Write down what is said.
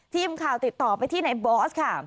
ทีมข่าวติดต่อไปที่ในบอสค่ะ